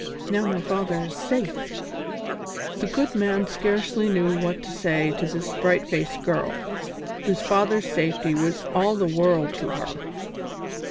Now my father is safe!" The good man scarcely knew what to say to this bright faced girl, whose father's safety was all the world to her.